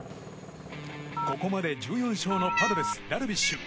ここまで１４勝のパドレス、ダルビッシュ。